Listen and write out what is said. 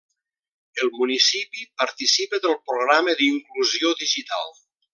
El municipi participa del programa d'inclusió digital.